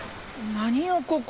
何やここ。